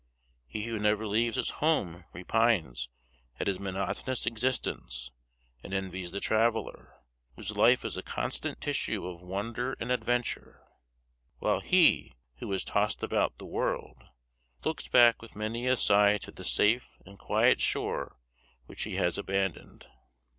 He who never leaves his home repines at his monotonous existence, and envies the traveller, whose life is a constant tissue of wonder and adventure; while he, who is tossed about the world, looks back with many a sigh to the safe and quiet shore which he has abandoned.